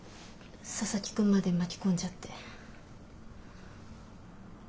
佐々木くんまで巻き込んじゃって。